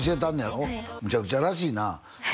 はいむちゃくちゃらしいな？